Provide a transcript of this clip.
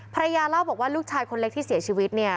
ภรรยาเล่าบอกว่าลูกชายคนเล็กที่เสียชีวิตเนี่ย